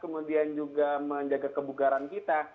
kemudian juga menjaga kebugaran kita